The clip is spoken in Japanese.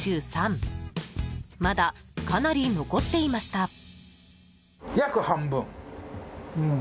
まだかなり残っていました。